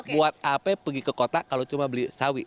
buat ap pergi ke kota kalau cuma beli